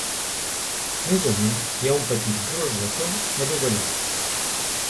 Més amunt hi ha un petit rosetó adovellat.